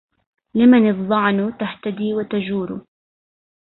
لمن الظعن تهتدي وتجور